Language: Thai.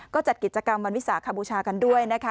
ก็จัดกิจกรรมวันวิสาขบูชากันด้วยนะคะ